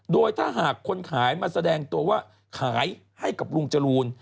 โดยถ้าหากคนขายมาแสดงตัวว่าขายให้กับลุงจรูน